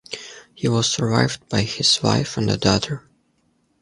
He was survived by his wife and a daughter.